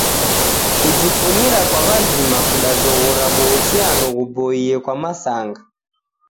Kujifunyira kwa w'azima kudazoghora w'uhusiano ghuboie kwa masanga.